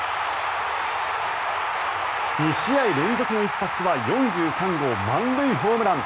２試合連続の一発は４３号満塁ホームラン。